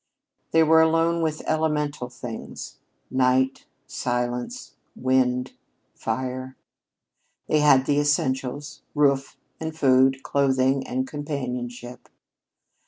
They were alone with elemental things night, silence, wind, and fire. They had the essentials, roof and food, clothing and companionship.